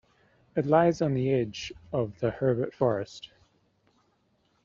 It lies on the edge of the Herbert Forest.